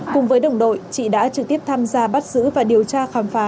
cùng với đồng đội chị đã trực tiếp tham gia bắt giữ và điều tra khám phá